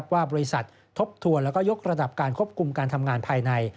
ว่าบริษัททบทวนแล้วก็ยกระดับการควบคุมการทำงานภายใน